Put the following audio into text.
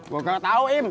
gue nggak tahu im